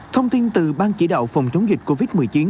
thông tin từ ban chỉ đạo phòng chống dịch covid một mươi chín